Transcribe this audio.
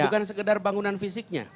bukan sekedar bangunan fisiknya